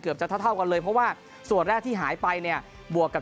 จะเท่าเท่ากันเลยเพราะว่าส่วนแรกที่หายไปเนี่ยบวกกับ